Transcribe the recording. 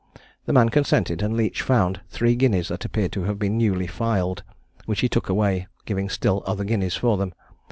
The man consented, and Leach found three guineas that appeared to have been newly filed, which he took away, giving Still other guineas for them.